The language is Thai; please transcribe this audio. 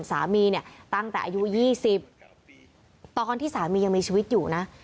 สามีเนี่ยตั้งแต่อายุ๒๐ตอนที่สามียังมีชีวิตอยู่นะ